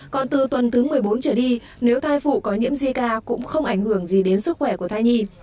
còn từ tuần thứ một mươi bốn trở đi nếu thai phụ có nhiễm zika cũng không ảnh hưởng gì đến sức khỏe của thai nhi